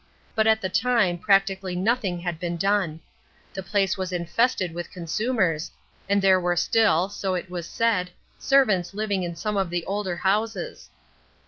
But at the time practically nothing had been done. The place was infested with consumers, and there were still, so it was said, servants living in some of the older houses.